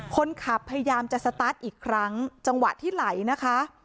พยายามจะสตาร์ทอีกครั้งจังหวะที่ไหลนะคะ